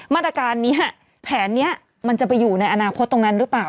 มาตรการนี้แผนนี้มันจะไปอยู่ในอนาคตตรงนั้นหรือเปล่า